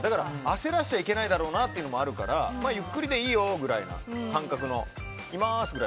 焦らせちゃいけないだろうなっていうのもあるからゆっくりでいいよぐらいの感覚の。